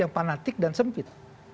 yang panatik dan sempit